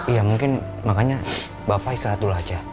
iya mungkin makanya bapak istirahat dulu aja